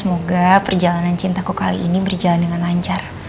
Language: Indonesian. semoga perjalanan cintaku kali ini berjalan dengan lancar